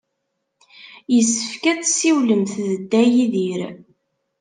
Yessefk ad tessiwlemt d Dda Yidir.